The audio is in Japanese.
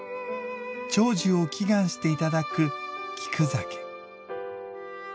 長寿を祈願していただく菊酒。